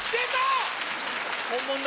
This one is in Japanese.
本物だ。